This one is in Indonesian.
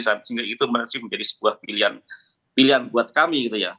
sehingga itu menurut saya menjadi sebuah pilihan buat kami gitu ya